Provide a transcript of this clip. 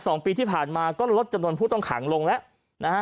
สองปีที่ผ่านมาก็ลดจำนวนผู้ต้องขังลงแล้วนะฮะ